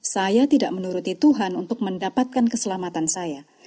saya tidak menuruti tuhan untuk mendapatkan keselamatan saya